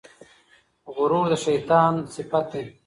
غرور د شیطان صفت دی.